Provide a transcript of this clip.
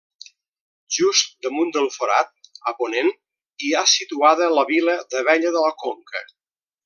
Just damunt del forat, a ponent, hi ha situada la vila d'Abella de la Conca.